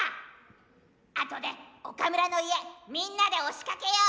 あとで岡村の家みんなで押しかけよ！